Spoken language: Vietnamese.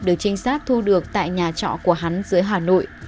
được trinh sát thu được tại nhà trọ của hắn dưới hà nội